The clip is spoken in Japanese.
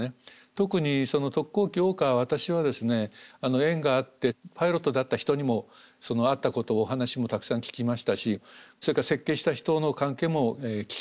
特に特攻機桜花は私はですね縁があってパイロットだった人にもあったことをお話もたくさん聞きましたしそれから設計した人の関係も聞きました。